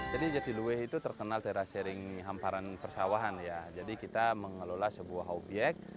jadi jatiluwe itu terkenal secara sering hamparan persawahan ya jadi kita mengelola sebuah obyek